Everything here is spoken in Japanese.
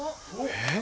えっ？